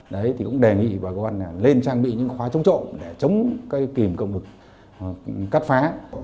đề nghị bà con lên trang bị những khóa chống trộm để chống kìm cộng lực cắt phá